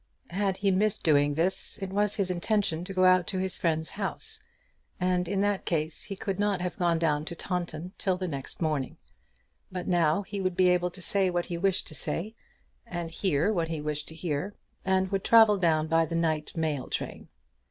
Had he missed doing this, it was his intention to go out to his friend's house; and in that case he could not have gone down to Taunton till the next morning; but now he would be able to say what he wished to say, and hear what he wished to hear, and would travel down by the night mail train.